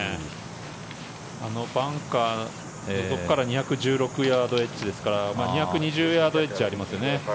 あのバンカーのところから２１６ヤードエッジですから２２０ヤードエッジありますよね。